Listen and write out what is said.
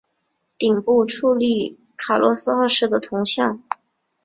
顶部矗立卡洛斯二世的铜像。